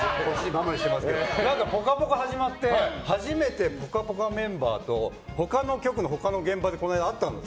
「ぽかぽか」始まって初めて「ぽかぽか」メンバーと他の局の他の現場でこの間、会ったんです。